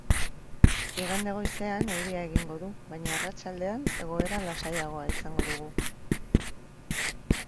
Igande goizean euria egingo du baina arratsaldean egoera lasaiagoa izango dugu.